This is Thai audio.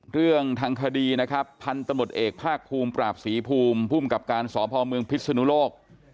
เรื่องทางคดีนะครับพันธมตเอกภาคภูมิปราบศรีภูมิภูมิกับการสพเมืองพิศนุโลก